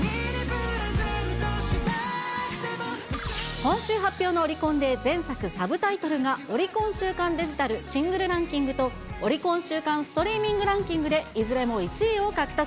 今週発表のオリコンで、前作、サブタイトルがオリコン週間デジタルシングルランキングと、オリコン週間ストリーミングランキングでいずれも１位を獲得。